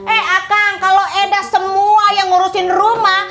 eh kang kalau eda semua yang ngurusin rumah